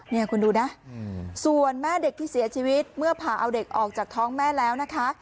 นี่คุณดูนะส่วนแม่เด็กที่เสียชีวิตเมื่อผ่าเอาเด็กออกจากท้องแม่แล้วนะคะ